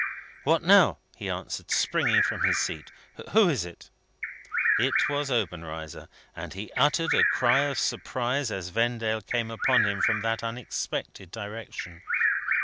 "What now?" he answered, springing from his seat; "who is it?" It was Obenreizer, and he uttered a cry of surprise as Vendale came upon him from that unexpected direction.